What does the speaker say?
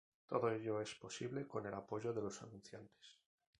Todo ello es posible con el apoyo de los anunciantes.